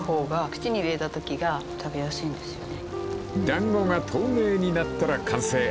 ［団子が透明になったら完成］